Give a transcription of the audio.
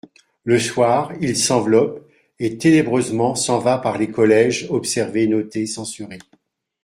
Le soir, il s'enveloppe, et ténébreusement s'en va par les collèges observer, noter, censurer.